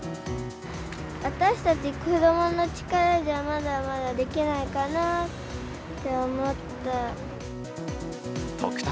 私たち子どもの力じゃ、まだまだできないかなって思った。